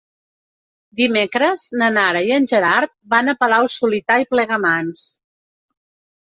Dimecres na Nara i en Gerard van a Palau-solità i Plegamans.